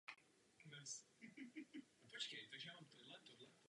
Asociace představuje nejvýznamnější autoritu v Česku v oblasti elektronického obchodu.